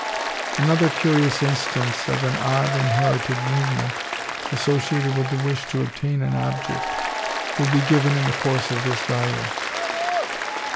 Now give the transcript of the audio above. Another curious instance of an odd inherited movement, associated with the wish to obtain an object, will be given in the course of this volume.